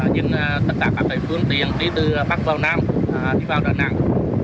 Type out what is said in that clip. nhưng tất cả các phương tiện đi từ bắc vào nam đi vào đà nẵng